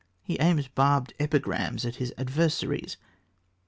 He aims barbed epigrams at his adversaries.